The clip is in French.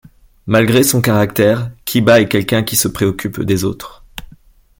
Malgré son caractère, Kiba est quelqu'un qui se préoccupe des autres.